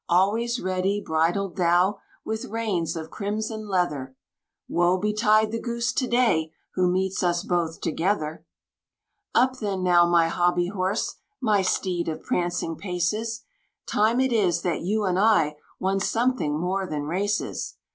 Always ready bridled thou, with reins of crimson leather; Woe betide the Goose to day who meets us both together! Up then now, my hobby horse, my steed of prancing paces! Time it is that you and I won something more than races.